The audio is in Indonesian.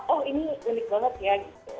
oh ini unik banget ya